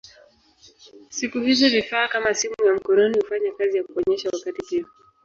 Siku hizi vifaa kama simu ya mkononi hufanya kazi ya kuonyesha wakati pia.